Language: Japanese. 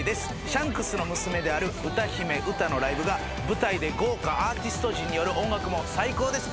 シャンクスの娘である歌姫ウタのライブが舞台で豪華アーティスト陣による音楽も最高です。